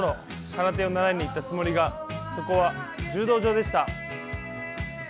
空手を習いに行ったつもりがそこは柔道場でした。